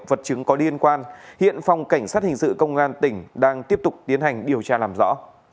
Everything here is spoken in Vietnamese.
vật chứng có liên quan hiện phòng cảnh sát hình sự công an tỉnh đang tiếp tục tiến hành điều tra làm rõ